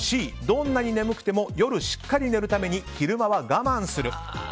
Ｃ、どんなに眠くても夜しっかり寝るために昼寝は我慢する。